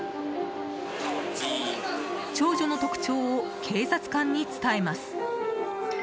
長女の特徴を警察官に伝えます。